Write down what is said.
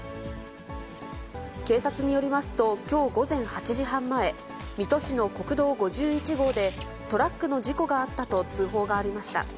警察によりますと、きょう午前８時半前、水戸市の国道５１号で、トラックの事故があったと通報がありました。